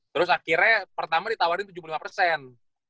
terus akhirnya pertama ditawarin tujuh puluh lima persen